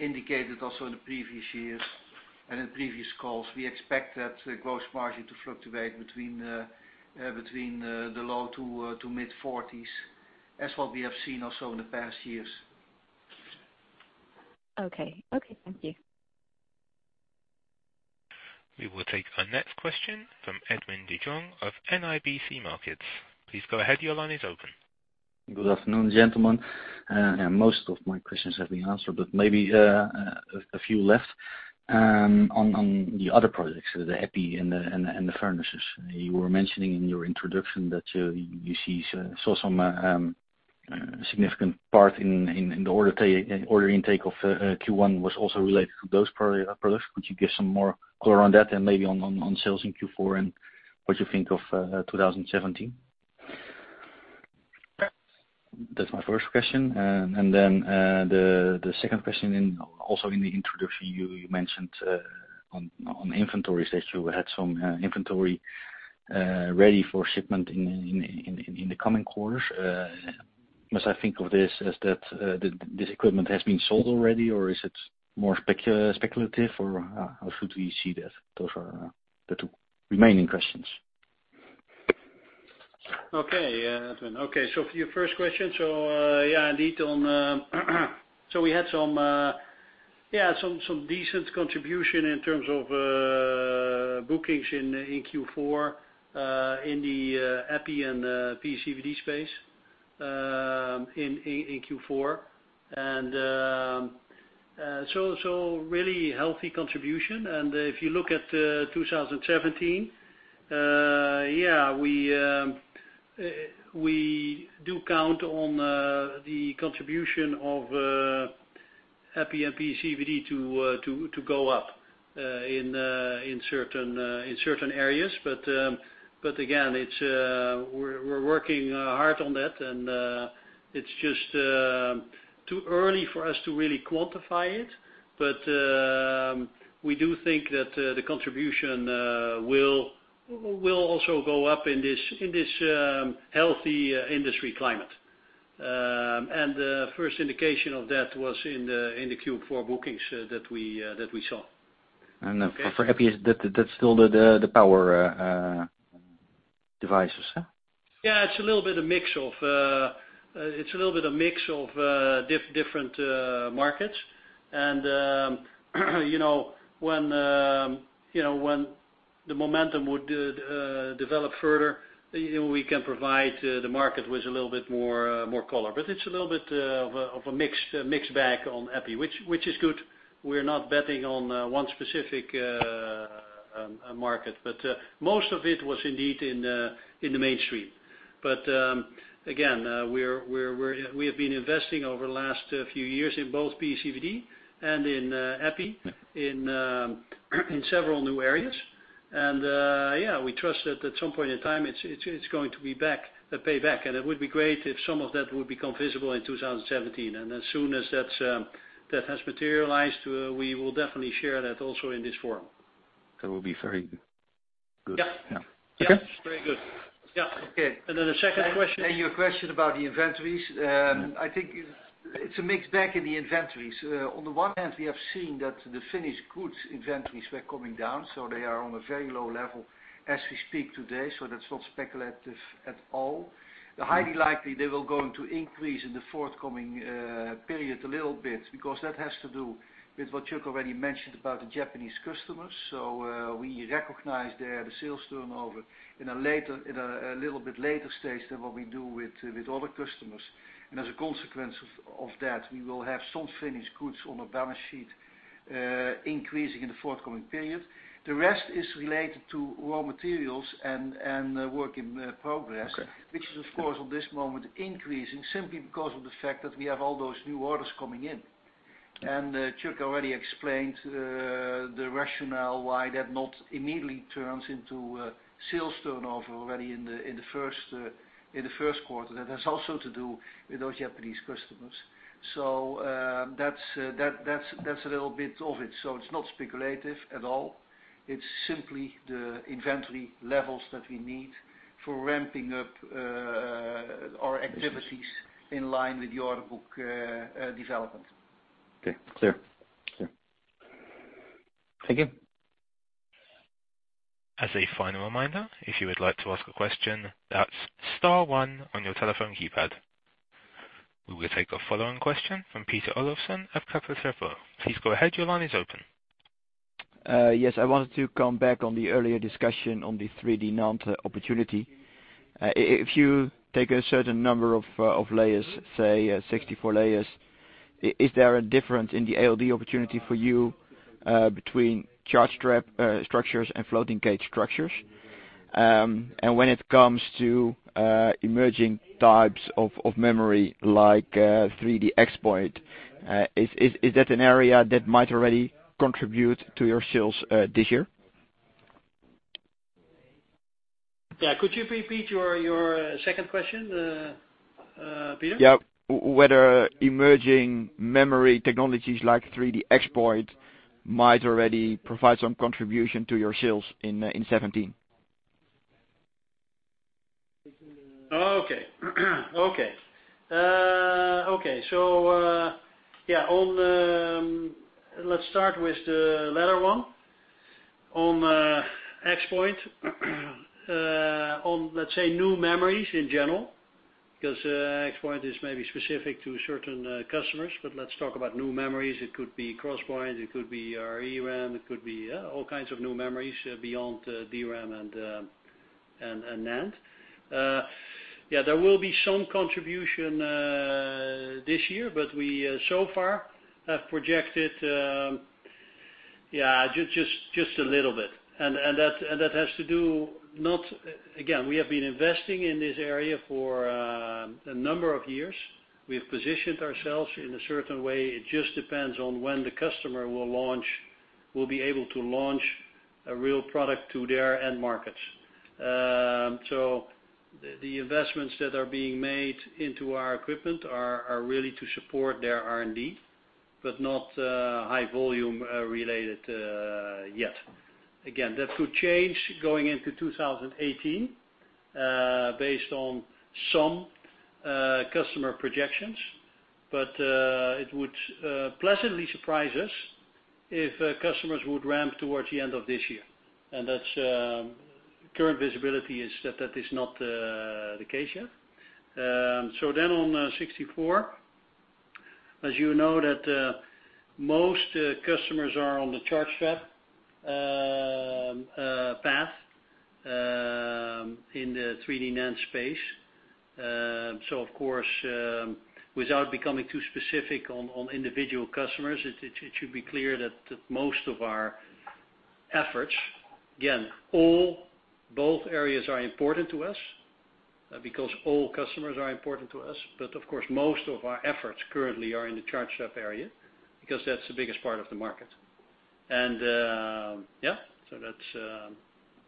indicated also in the previous years and in previous calls. We expect that gross margin to fluctuate between the low to mid-40s, as what we have seen also in the past years. Okay, thank you. We will take our next question from Edwin de Jong of NIBC Markets. Please go ahead. Your line is open. Good afternoon, gentlemen. Most of my questions have been answered, but maybe a few left on the other projects, the Epitaxy and the furnaces. You were mentioning in your introduction that you saw some significant part in the order intake of Q1 was also related to those products. Could you give some more color on that and maybe on sales in Q4 and what you think of 2017? That's my first question. The second question, and also in the introduction, you mentioned on the inventory, that you had some inventory ready for shipment in the coming quarters. Must I think of this as that this equipment has been sold already, or is it more speculative, or how should we see that? Those are the two remaining questions. Okay, Edwin. For your first question, indeed we had some decent contribution in terms of bookings in Q4 in the Epitaxy and PECVD space in Q4. Really healthy contribution. If you look at 2017, we do count on the contribution of Epitaxy and PECVD to go up in certain areas. Again, we're working hard on that and it's just too early for us to really quantify it. We do think that the contribution will also go up in this healthy industry climate. The first indication of that was in the Q4 bookings that we saw. For Epitaxy, is that still the power devices, huh? Yeah, it's a little bit of a mix of different markets and, when the momentum would develop further, we can provide the market with a little bit more color. It's a little bit of a mixed bag on Epitaxy, which is good. We're not betting on one specific market, but most of it was indeed in the mainstream. Again, we have been investing over the last few years in both PECVD and in Epitaxy in several new areas. Yeah, we trust that at some point in time it's going to pay back. It would be great if some of that would become visible in 2017. As soon as that has materialized, we will definitely share that also in this forum. That would be very good. Yeah. Yeah. Okay. Very good. Yeah. Okay. Then the second question- Your question about the inventories. I think it's a mixed bag in the inventories. On the one hand, we have seen that the finished goods inventories were coming down, so they are on a very low level as we speak today. That's not speculative at all. They're highly likely they will going to increase in the forthcoming period a little bit, because that has to do with what Chuck already mentioned about the Japanese customers. We recognize there the sales turnover in a little bit later stage than what we do with other customers. As a consequence of that, we will have some finished goods on our balance sheet, increasing in the forthcoming period. The rest is related to raw materials and work in progress. Okay. Which is, of course, at this moment, increasing simply because of the fact that we have all those new orders coming in. Chuck already explained the rationale why that not immediately turns into sales turnover already in the first quarter. That has also to do with those Japanese customers. That's a little bit of it. It's not speculative at all. It's simply the inventory levels that we need for ramping up our activities in line with the order book development. Okay. Clear. Thank you. As a final reminder, if you would like to ask a question, that's star one on your telephone keypad. We will take a following question from Peter Olofsen of Kepler Cheuvreux. Please go ahead. Your line is open. Yes. I wanted to come back on the earlier discussion on the 3D NAND opportunity. If you take a certain number of layers, say 64 layers, is there a difference in the ALD opportunity for you, between charge trap structures and floating gate structures? When it comes to emerging types of memory, like 3D XPoint, is that an area that might already contribute to your sales this year? Yeah. Could you repeat your second question, Peter? Yeah. Whether emerging memory technologies like 3D XPoint might already provide some contribution to your sales in 2017. Okay. Let's start with the latter one. On 3D XPoint, on let's say, new memories in general, because, 3D XPoint is maybe specific to certain customers, but let's talk about new memories. It could be 3D XPoint, it could be our ReRAM, it could be all kinds of new memories beyond DRAM and NAND. There will be some contribution this year, but we so far have projected, just a little bit. That has to do, again, we have been investing in this area for a number of years. We've positioned ourselves in a certain way. It just depends on when the customer will be able to launch a real product to their end markets. The investments that are being made into our equipment are really to support their R&D, but not high volume related yet. Again, that could change going into 2018, based on some customer projections. It would pleasantly surprise us if customers would ramp towards the end of this year. That's current visibility is that is not the case yet. On 64, as you know that most customers are on the charge trap path, in the 3D NAND space. Of course, without becoming too specific on individual customers, it should be clear that most of our efforts, again, all, both areas are important to us, because all customers are important to us. Of course most of our efforts currently are in the charge trap area, because that's the biggest part of the market. Yeah.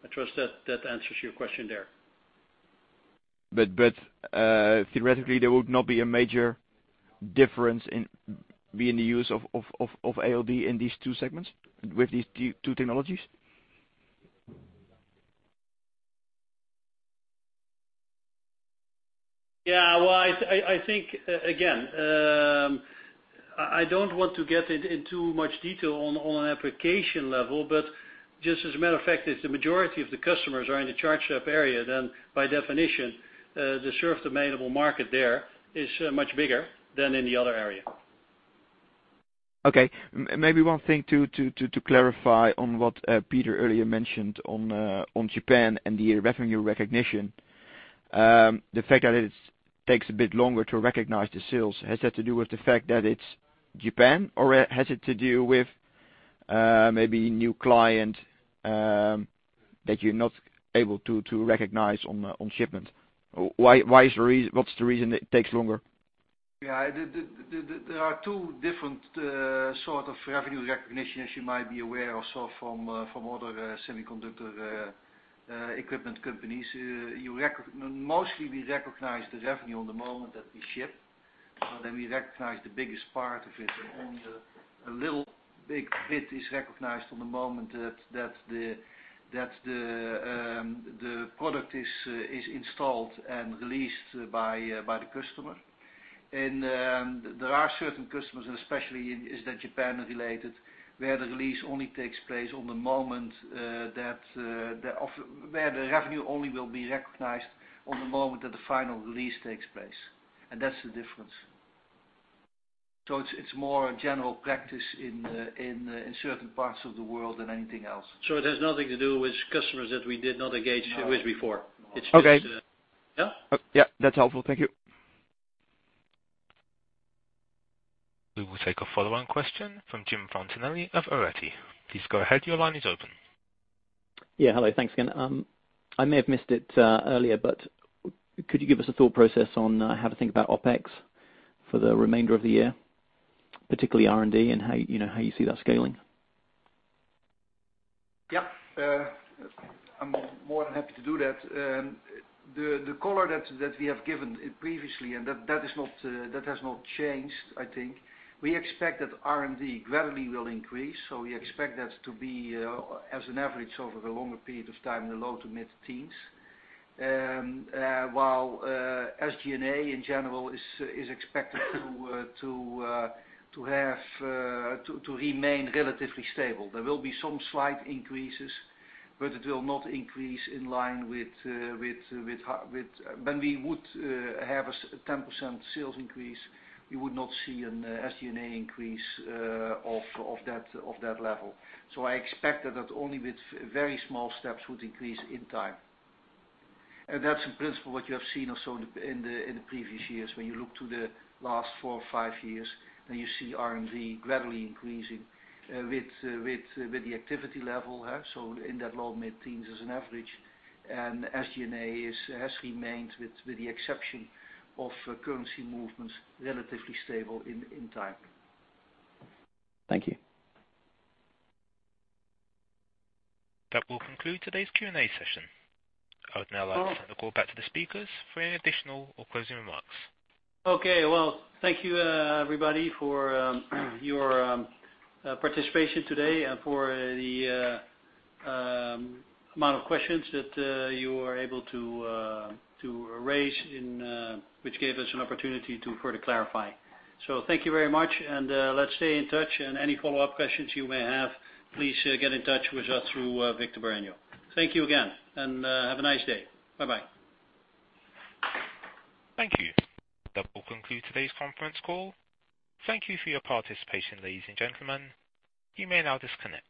I trust that that answers your question there. theoretically, there would not be a major difference in being the use of ALD in these two segments with these two technologies? I think, again, I don't want to get in too much detail on application level, just as a matter of fact, if the majority of the customers are in the charge trap area, then by definition, the served available market there is much bigger than any other area. Maybe one thing to clarify on what Peter earlier mentioned on Japan and the revenue recognition. The fact that it takes a bit longer to recognize the sales, has that to do with the fact that it's Japan, or has it to do with maybe new client, that you're not able to recognize on shipment? What's the reason it takes longer? There are two different sort of revenue recognition, as you might be aware also from other semiconductor equipment companies. Mostly, we recognize the revenue on the moment that we ship, but then we recognize the biggest part of it. A little bit is recognized on the moment that the product is installed and released by the customer. There are certain customers, and especially is that Japan related, where the revenue only will be recognized on the moment that the final release takes place. That's the difference. It's more a general practice in certain parts of the world than anything else. It has nothing to do with customers that we did not engage with before. Okay. Yeah. Yeah. That's helpful. Thank you. We will take a follow-on question from Jim Fontanelli of Arete. Please go ahead. Your line is open. Yeah. Hello. Thanks again. I may have missed it earlier, could you give us a thought process on how to think about OpEx for the remainder of the year, particularly R&D and how you see that scaling? Yeah. I'm more than happy to do that. The color that we have given previously, and that has not changed, I think. We expect that R&D gradually will increase, so we expect that to be, as an average over the longer period of time, the low to mid-teens. While SG&A in general is expected to remain relatively stable. There will be some slight increases, but it will not increase in line with. When we would have a 10% sales increase, we would not see an SG&A increase of that level. I expect that that only with very small steps would increase in time. That's in principle what you have seen also in the previous years. When you look to the last four or five years, then you see R&D gradually increasing with the activity level. In that low mid-teens as an average and SG&A has remained, with the exception of currency movements, relatively stable in time. Thank you. That will conclude today's Q&A session. I would now like to turn the call back to the speakers for any additional or closing remarks. Well, thank you everybody for your participation today and for the amount of questions that you were able to raise, which gave us an opportunity to further clarify. Thank you very much, and let's stay in touch and any follow-up questions you may have, please get in touch with us through Victor Bareño. Thank you again, and have a nice day. Bye-bye. Thank you. That will conclude today's conference call. Thank you for your participation, ladies and gentlemen. You may now disconnect.